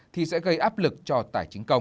thì sẽ gây áp lực cho tài chính công